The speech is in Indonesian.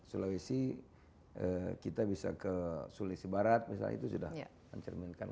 sulawesi kita bisa ke sulawesi barat misalnya itu sudah mencerminkan